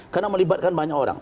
karena melibatkan banyak orang